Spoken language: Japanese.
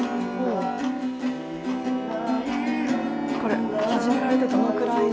これ始められてどのくらいの？